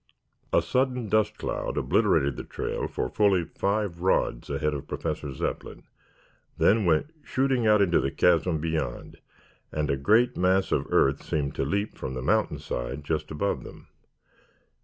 A sudden dust cloud obliterated the trail for fully five rods ahead of Professor Zepplin, then went shooting out into the chasm beyond, and a great mass of earth seemed to leap from the mountainside just above them.